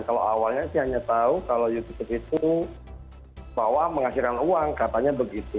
kalau awalnya sih hanya tahu kalau youtube itu bahwa menghasilkan uang katanya begitu